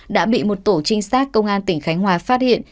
đã bị một tổ trinh sát công an tỉnh khánh hòa phát hiện